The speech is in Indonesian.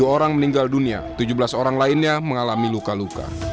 dua puluh orang meninggal dunia tujuh belas orang lainnya mengalami luka luka